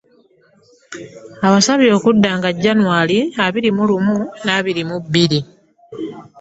Abasaba okudda nga Jjanwali abiri mu lumu n'abiri mu bbiri